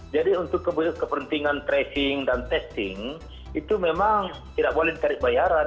jadi untuk kepentingan tracing dan testing itu memang tidak boleh di tarik bayaran